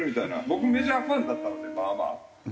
僕メジャーファンだったのでまあまあ。